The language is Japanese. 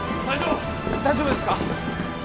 大丈夫ですか？